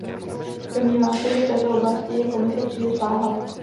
Domnívám se, že v této oblasti je Komise příliš váhavá.